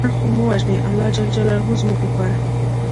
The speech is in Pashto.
لمر خو مه وژنې الله ج زموږ لپاره